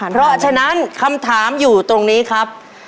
เพราะฉะนั้นคำถามอยู่ตรงนี้ครับ